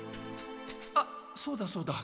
あっそうだそうだ。